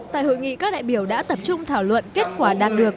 tại hội nghị các đại biểu đã tập trung thảo luận kết quả đạt được